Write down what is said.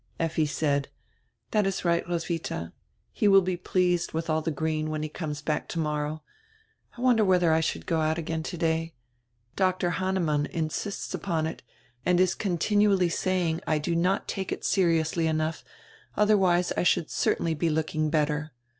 Effi said: "That is right, Roswitha. He will be pleased widi all die green when he conies back tomorrow. I wonder whether I should go out again today? Dr. Hannemann insists upon it and is continually saying I do not take it seriously enough, otherwise I should certainly be looking better.